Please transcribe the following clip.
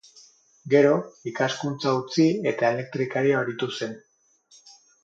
Gero, irakaskuntza utzi eta elektrikari aritu zen.